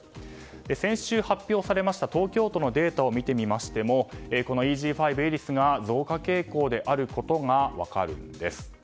先週発表されました東京都のデータを見てみましてもこのＥＧ．５エリスが増加傾向であることが分かるんです。